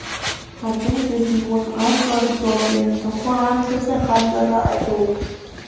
Аҵеи дзиуа ажәлар рзоуп, ианаҭаху аамҭазы ахаҵара азоуп.